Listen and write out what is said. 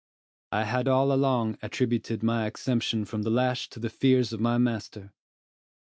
I had all along attributed my exemption from the lash to the fears of my master.